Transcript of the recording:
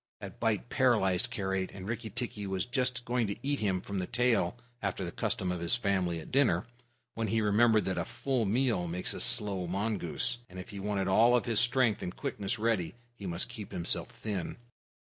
That bite paralyzed Karait, and Rikki tikki was just going to eat him up from the tail, after the custom of his family at dinner, when he remembered that a full meal makes a slow mongoose, and if he wanted all his strength and quickness ready, he must keep himself thin.